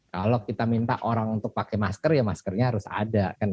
kalau kita minta orang untuk pakai masker ya maskernya harus ada